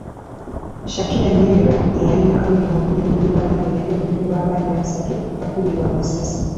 Shakira Nyemera, eyali Nnakawere wamu ne mulirwana we eyali olubuto lw’abaana basatu baakubibwa amasasi.